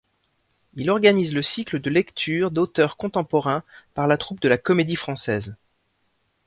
Il organise le cycle de lectures d'auteurs contemporains par la troupe de la Comédie-Française.